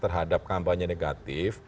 terhadap kampanye negatif